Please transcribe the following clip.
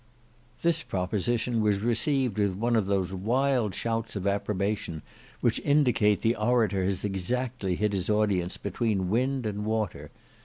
This proposition was received with one of those wild shouts of approbation which indicate the orator has exactly hit his audience between wind and water.